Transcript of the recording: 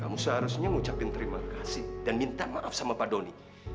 kamu seharusnya ngucapin terima kasih dan minta maaf sama pak doni